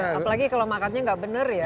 apalagi kalau makanannya nggak bener ya